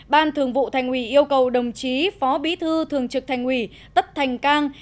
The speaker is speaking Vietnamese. ban thường vụ thành ủy yêu cầu đồng chí phó bí thư thường trực thành ủy tất thành cang